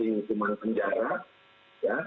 payung hukum untuk pemanfaatan jadinya